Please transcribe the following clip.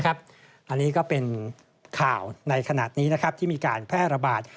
อันนี้ก็เป็นข่าวในขณะนี้ที่มีการแพร่ระบาด